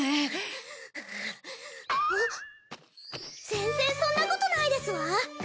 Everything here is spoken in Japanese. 全然そんなことないですわ。